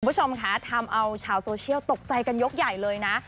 คุณผู้ชมค่ะทำเอาชาวโซเชียลตกใจกันยกใหญ่เลยนะ